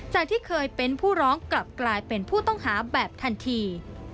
จากที่เคยเป็นผู้ร้องกลับกลายเป็นผู้ต้องหาแบบทันที